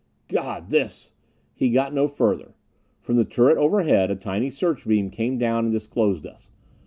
"God this " He got no further. From the turret overhead a tiny search beam came down and disclosed us.